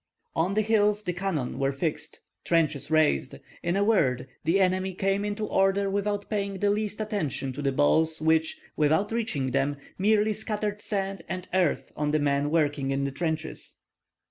On the hills the cannon were fixed, trenches raised; in a word, the enemy came into order without paying the least attention to the balls which, without reaching them, merely scattered sand and earth on the men working in the trenches.